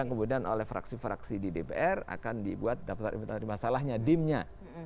kemudian oleh fraksi fraksi di dpr akan dibuat daftar imut masalahnya dim nya